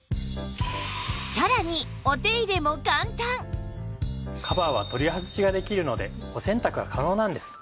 さらにカバーは取り外しができるのでお洗濯が可能なんです。